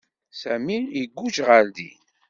Sami iguǧǧ ɣer din.